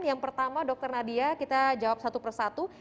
yang pertama dr nadia kita jawab satu persatu